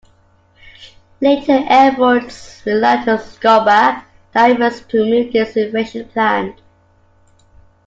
Later efforts relied on scuba divers to remove this invasive plant.